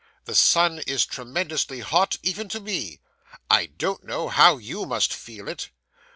The sun is tremendously hot, even to me. I don't know how you must feel it.